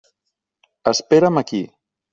Espera'm aquí.